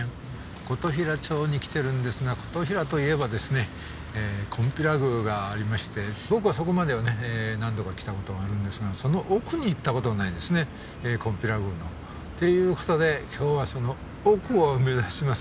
琴平町に来てるんですが琴平といえばですねこんぴら宮がありまして僕はそこまではね何度か来たことがあるんですがその奥に行ったことがないんですねこんぴら宮の。っていうことで今日はその奥を目指します。